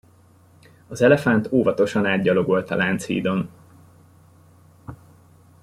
Az elefánt óvatosan átgyalogolt a Lánchídon.